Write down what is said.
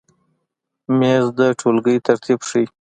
مېز د ټولګۍ ترتیب ښیي.